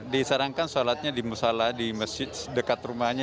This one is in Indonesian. disarankan salatnya di masjid dekat rumahnya